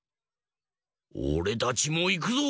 おれたちもいくぞ！